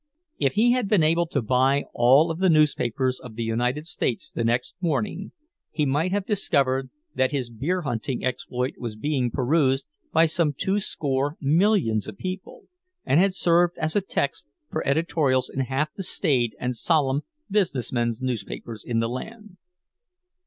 If he had been able to buy all of the newspapers of the United States the next morning, he might have discovered that his beer hunting exploit was being perused by some two score millions of people, and had served as a text for editorials in half the staid and solemn business men's newspapers in the land.